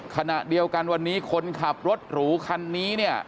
ขณะเดียวกันวันนี้คนขับรถหรูคันนี้เนี่ย